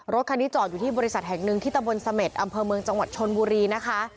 รถคันนี้จอดอยู่ที่บริษัทแห่งหนึ่งที่ตะบนเสม็ดอำเภอเมืองจังหวัดชนบุรีนะคะ